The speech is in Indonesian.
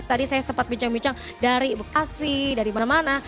tadi saya sempat bincang bincang dari bekasi dari mana mana